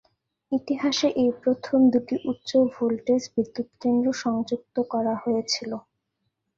ইতিহাসে এই প্রথম দুটি উচ্চ-ভোল্টেজ বিদ্যুৎ কেন্দ্র সংযুক্ত করা হয়েছিল।